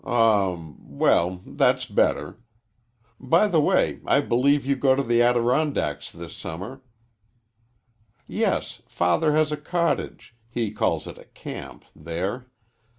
"Um well, that's better. By the way, I believe you go to the Adirondacks this summer." "Yes, Father has a cottage he calls it a camp there.